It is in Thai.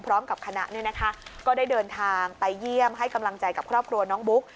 พร้อมกับคณะก็ได้เดินทางไปเยี่ยมให้กำลังใจกับครอบครัวน้องบุ๊ก